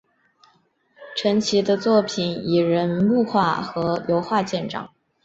陈奇的作品以人物画和油画见长。